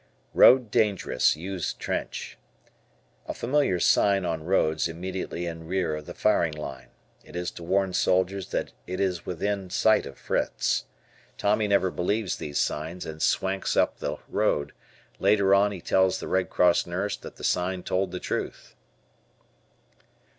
"Road Dangerous, Use Trench." A familiar sign on roads immediately in rear of the firing line. It is to warn soldiers that it is within sight of Fritz. Tommy never believes these signs and swanks up the road. Later on he tells the Red Cross nurse that the sign told the truth.